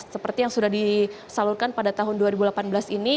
seperti yang sudah disalurkan pada tahun dua ribu delapan belas ini